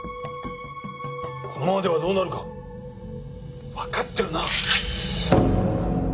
このままではどうなるかわかってるな！